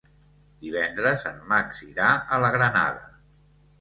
Divendres en Max irà a la Granada.